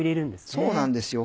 そうなんですよ